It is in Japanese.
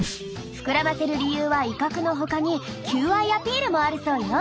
膨らませる理由は威嚇のほかに求愛アピールもあるそうよ。